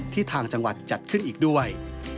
ทางจังหวัดจัดขึ้นอีกด้วย